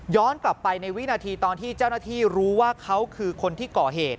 กลับไปในวินาทีตอนที่เจ้าหน้าที่รู้ว่าเขาคือคนที่ก่อเหตุ